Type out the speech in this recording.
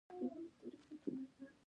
د بزګر ورځ لمانځل کیږي.